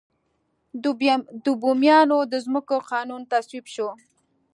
د بوميانو د ځمکو قانون تصویب شو.